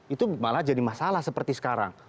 itu malah jadi masalah seperti sekarang